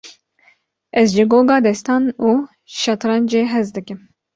Ez ji goga destan û şetrencê hez dikim.